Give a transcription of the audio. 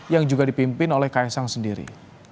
yang juga dipimpin oleh kaisang sendiri